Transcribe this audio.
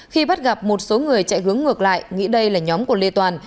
khi bắt gặp một số người chạy hướng ngược lại nghĩ đây là nhóm của lê toàn